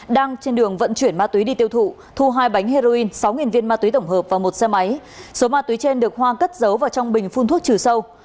đang trên đường vận chuyển ma túy đi tiêu thụ thu hai bánh heroin sáu viên ma túy tổng hợp và một xe máy số ma túy trên được hoa cất giấu vào trong bình phun thuốc trừ sâu